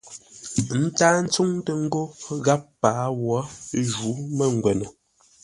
Ə́ ntáa ntsúŋtə́ ńgó gháp páa wǒ jǔ mə́ngwə́nə.